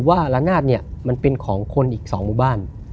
ว่าละนาดเนี่ยมันเป็นของคนอีก๒หมู่บ้าน